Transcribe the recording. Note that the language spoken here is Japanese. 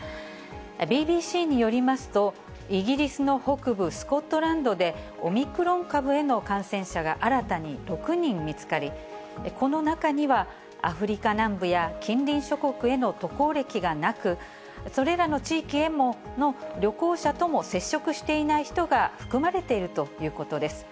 ＢＢＣによりますと、イギリスの北部スコットランドで、オミクロン株への感染者が新たに６人見つかり、この中には、アフリカ南部や近隣諸国への渡航歴がなく、それらの地域への旅行者とも接触していない人が含まれているということです。